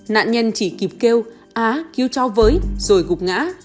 nạn nhân chỉ kịp kêu á cứu cháu với rồi gục ngã